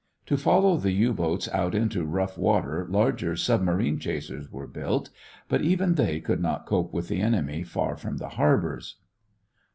To follow the U boats out into rough water larger submarine chasers were built, but even they could not cope with the enemy far from the harbors.